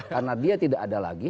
karena dia tidak ada lagi